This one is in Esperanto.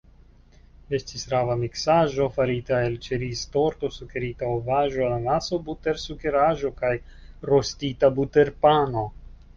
Estis rava miksaĵo farita el ĉeriztorto, sukerita ovaĵo, ananaso, butersukeraĵo kaj rostita buterpano.